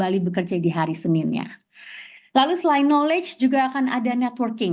lalu selain knowledge juga akan ada networking